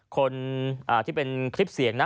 คนที่เป็นกริปเสียง